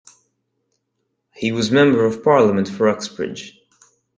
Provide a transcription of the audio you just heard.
He was Member of Parliament for Uxbridge.